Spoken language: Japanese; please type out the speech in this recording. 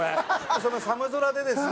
その寒空でですね